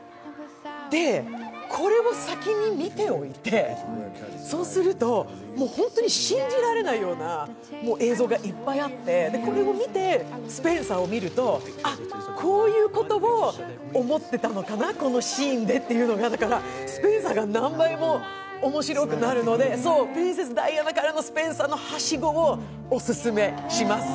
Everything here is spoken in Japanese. これを先に見ておいて、そうすると本当に信じられないような映像もいっぱいあってこれを見て「スペンサー」を見るとあっ、こういうことを思ってたのかな、このシーンでというのが、「スペンサー」が何倍も面白くなるので「プリンセス・ダイアナ」からの「スペンサー」へのはしごをお勧めします。